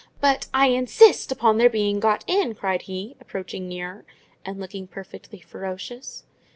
"But I INSIST upon their being got in!" cried he, approaching nearer, and looking perfectly ferocious.